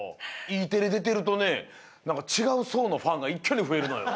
Ｅテレでてるとねなんかちがうそうのファンがいっきょにふえるのよ。